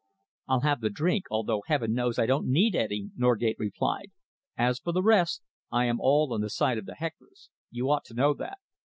"I'll have the drink, although heaven knows I don't need any!" Norgate replied. "As for the rest, I am all on the side of the hecklers. You ought to know that."